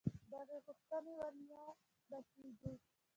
دې غوښتنې ورنه رسېږو.